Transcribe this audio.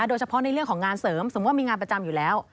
โดยเฉพาะในเรื่องของงานเสริมสมมุติมีงานประจำอยู่แล้ว